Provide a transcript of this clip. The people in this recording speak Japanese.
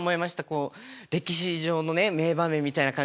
こう歴史上のね名場面みたいな感じでね。